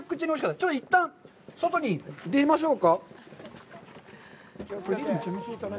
ちょっと一旦、外に出ましょうか。